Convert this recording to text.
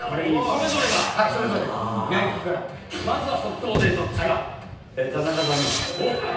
それぞれがはいそれぞれが矢作君からああまずは即答でどっちか田中さんですおっ